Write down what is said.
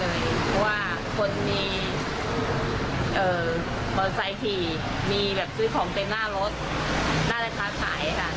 เพราะว่าคนมีเอ่อตอนใส่ถี่มีแบบซื้อของเป็นหน้ารถน่าจะค้าถ่ายค่ะ